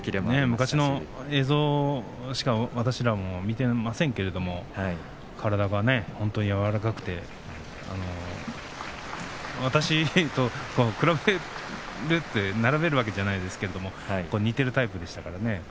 昔の映像しか私たちも見ていませんけれども体が本当に柔らかくて私と比べる、並べるわけではないですけれども似ているタイプでしたからね。